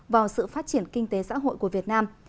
vào sự phát triển kinh tế xã hội của việt nam